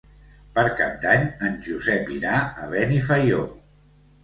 Per Cap d'Any en Josep irà a Benifaió.